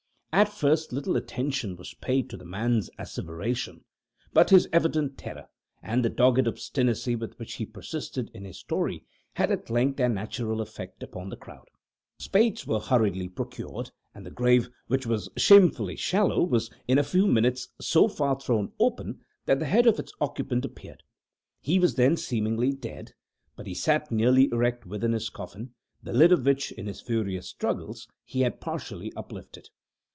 At first little attention was paid to the man's asseveration; but his evident terror, and the dogged obstinacy with which he persisted in his story, had at length their natural effect upon the crowd. Spades were hurriedly procured, and the grave, which was shamefully shallow, was in a few minutes so far thrown open that the head of its occupant appeared. He was then seemingly dead; but he sat nearly erect within his coffin, the lid of which, in his furious struggles, he had partially uplifted.